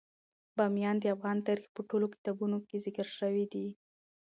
بامیان د افغان تاریخ په ټولو کتابونو کې ذکر شوی دی.